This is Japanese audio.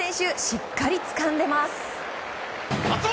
しっかりつかんでいます。